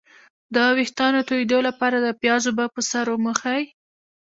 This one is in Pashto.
د ویښتو تویدو لپاره د پیاز اوبه په سر ومښئ